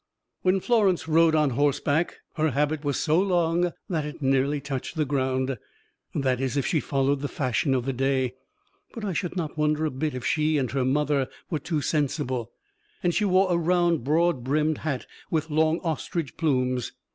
When Florence rode on horseback, her habit was so long that it nearly touched the ground (that is, if she followed the fashion of the day, but I should not wonder a bit if she and her mother were too sensible!) and she wore a round, broad brimmed hat with long ostrich plumes.